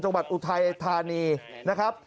จังหวัดอุทัยไทยธานีนะครับ